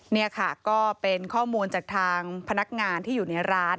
นี่ค่ะก็เป็นข้อมูลจากทางพนักงานที่อยู่ในร้าน